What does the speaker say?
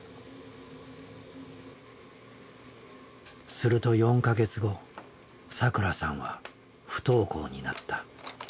すると４か月後さくらさんは不登校になった。